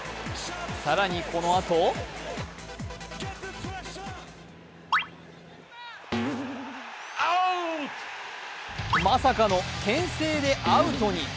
更にこのあとまさかのけん制でアウトに。